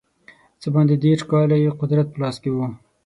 څه باندې دېرش کاله یې قدرت په لاس کې وو.